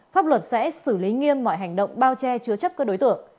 pháp luật sẽ xử lý nghiêm mọi hành động bao che chứa chấp các đối tượng